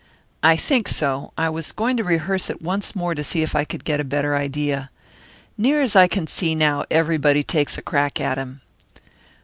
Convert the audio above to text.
"I think so. I was going to rehearse it once more to see if I could get a better idea. Near as I can see now, everybody takes a crack at him."